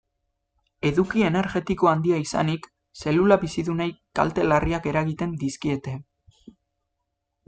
Eduki energetiko handia izanik, zelula bizidunei kalte larriak eragiten dizkiete.